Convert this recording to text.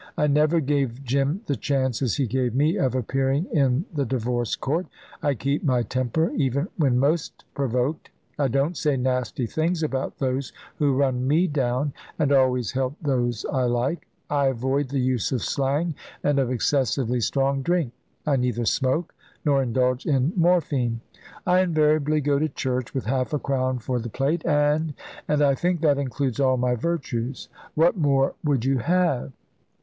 I never gave Jim the chances he gave me of appearing in the divorce court. I keep my temper, even when most provoked. I don t say nasty things about those who run me down, and always help those I like. I avoid the use of slang and of excessively strong drink. I neither smoke, nor indulge in morphine. I invariably go to church, with half a crown for the plate; and and I think that includes all my virtues. What more would you have?"